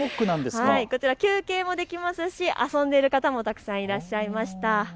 休憩もできますし遊んでいる方もたくさんいらっしゃいました。